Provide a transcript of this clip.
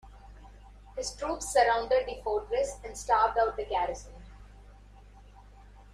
His troops surrounded the fortress and starved out the garrison.